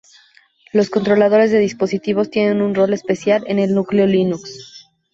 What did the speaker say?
Los controladores de dispositivos tienen un rol especial en el núcleo Linux.